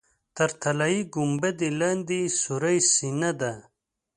تر طلایي ګنبدې لاندې یې سورۍ سینه ده.